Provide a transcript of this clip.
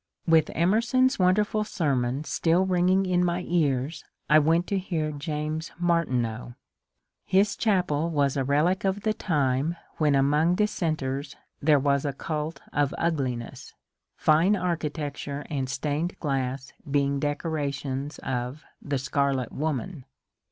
With Emerson's wonderful sermon still ringing in my ears I went to hear James Martineau. His chapel was a relic of the time when among dissenters there was a cult of ugliness, — fine architecture and stained glass being decorations of the ^^ Scarlet Woman."